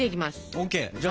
ＯＫじゃあ